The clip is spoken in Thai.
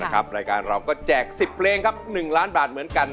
รายการเราก็แจก๑๐เพลงครับ๑ล้านบาทเหมือนกัน